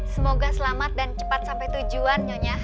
semoga selamat dan cepat sampai tujuan nyonya